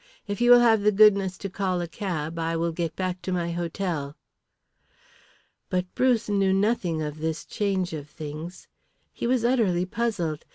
"If you will have the goodness to call a cab I will get back to my hotel." But Bruce knew nothing of this change of things. He was utterly puzzled.